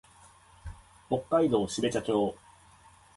北海道標茶町